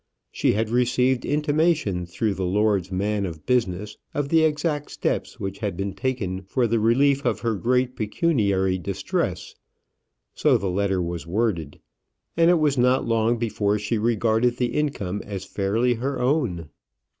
She had received intimation through the lord's man of business of the exact steps which had been taken for the relief of her great pecuniary distress so the letter was worded and it was not long before she regarded the income as fairly her own.